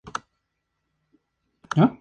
Recientemente se ha repetido la experiencia.